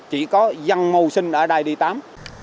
chỉ có dân mâu sinh ở đây đi tắm